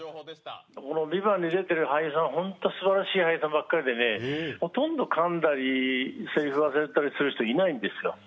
「ＶＩＶＡＮＴ」に出てる俳優さんはほんとすばらしい俳優さんばっかりでね、ほとんどかんだり、セリフ忘れてたりする人いないんですよ。